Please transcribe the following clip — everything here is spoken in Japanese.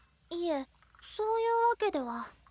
いえそういうわけでは。